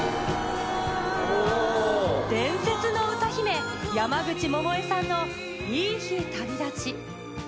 伝説の歌姫山口百恵さんの『いい日旅立ち』。